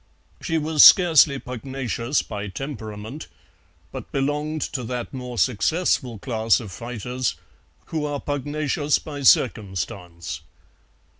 She was scarcely pugnacious by temperament, but belonged to that more successful class of fighters who are pugnacious by circumstance.